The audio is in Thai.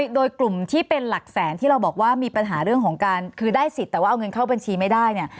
โดยกลุ่มที่เป็นหลักแสนที่เราบอกว่ามีปัญหาเรื่องของการคือได้สิทธิ์แต่ว่าเอาเงินเข้าบัญชีไม่ได้เนี่ย